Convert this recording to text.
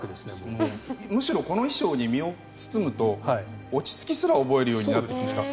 むしろこの衣装に身を包むと、落ち着きすら覚えるようになってきました。